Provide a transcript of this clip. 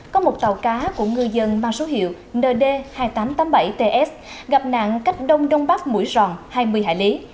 có một tàu cá của ngư dân mang số hiệu nd hai nghìn tám trăm tám mươi bảy ts gặp nạn cách đông đông bắc mũi tròn hai mươi hải lý